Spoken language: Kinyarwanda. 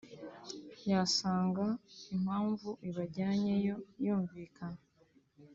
yasanga impamvu ibajyanyeyo yumvikana